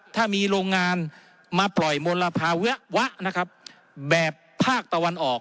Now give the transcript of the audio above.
ถ้ามีโรงงานมาปล่อยมลภาวะวะนะครับแบบภาคตะวันออก